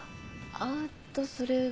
あっとそれは。